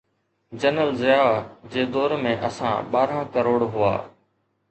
General Zia جي دور ۾ اسان ٻارهن ڪروڙ هئا.